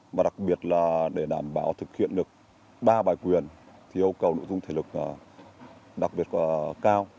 và đặc biệt là để đảm bảo thực hiện được ba bài quyền thì yêu cầu nội dung thể lực đặc biệt là cao